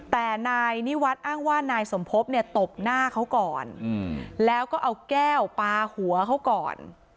แต่นายนิวัฒน์อ้างว่านายสมภพเนี่ยตบหน้าเขาก่อนแล้วก็เอาแก้วปลาหัวเขาก่อน